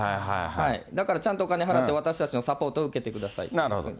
だから、ちゃんとお金を払って私たちのサポートを受けてくださいなるほど。